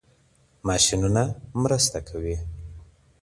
ماشینونه مرسته کوي.